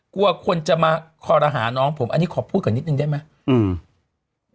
กลัวคนจะมาคอรหาน้องผมอันนี้ขอพูดก่อนนิดนึงได้ไหมอืม